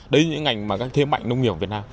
đấy những ngành mà các thế mạnh nông nghiệp việt nam